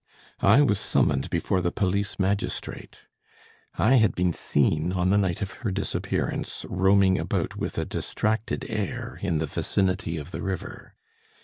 I was summoned before the police magistrate. I had been seen on the night of her disappearance roaming about with a distracted air in the vicinity of the river.